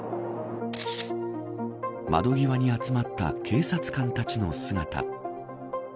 窓際に集まった警察官たちの姿。